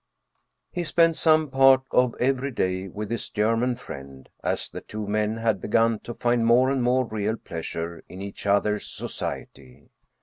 He spent some part of every day with his German friend, as the two men had begun to find more and more real pleas ure in each other's society.